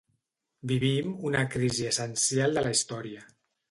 Vivim una crisi essencial de la història.